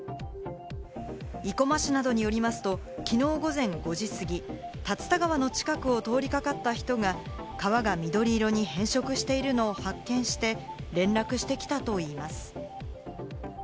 生駒市などによりますと、きのう午前５時過ぎ、竜田川の近くを通りかかった人が川が緑色に変色しているのを発見して、連絡してきたといいます。